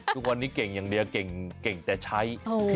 ทุกวันนี้เก่งอย่างเดียวเก่งแต่ใช้